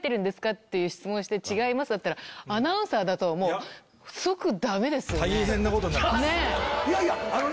っていう質問して「違います」だったらアナウンサーだと即ダメですよね。